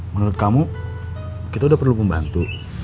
menurut kamu kita udah perlu pembantu